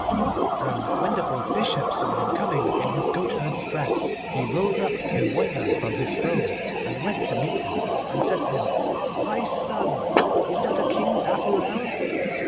And when the old Bishop saw him coming in his goatherd's dress, he rose up in wonder from his throne, and went to meet him, and said to him, 'My son, is this a king's apparel?